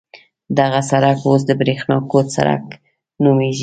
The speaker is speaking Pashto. دغه سړک اوس د برېښنا کوټ سړک نومېږي.